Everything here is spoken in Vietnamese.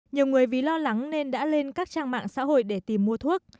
nhiều người vì lo lắng nên đã lên các trang mạng xã hội để tìm mua thuốc